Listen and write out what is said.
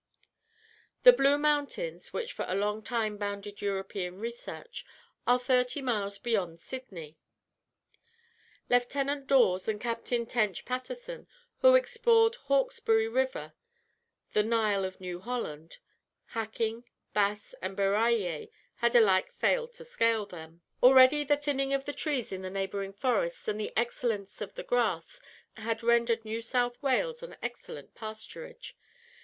The Blue Mountains, which for a long time bounded European research, are thirty miles beyond Sydney. Lieutenant Dawes and Captain Tench Paterson who explored Hawkesbury River, the Nile of New Holland Hacking, Bass, and Barraillier, had alike failed to scale them. Already, the thinning of the trees in the neighbouring forests, and the excellence of the grass, had rendered New South Wales an excellent pasturage.